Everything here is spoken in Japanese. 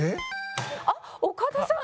あっ岡田さん。